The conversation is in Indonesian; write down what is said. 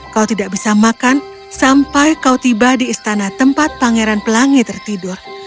kau tidak bisa makan sampai kau tiba di istana tempat pangeran pelangi tertidur